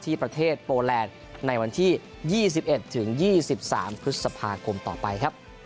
ที่ประเทศโปแลนด์ในวันที่๒๑๒๓พฤษภาคมต่อไปครับ